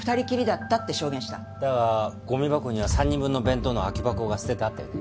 だがゴミ箱には３人分の弁当の空き箱が捨ててあったよね。